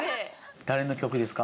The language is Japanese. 誰の曲ですか？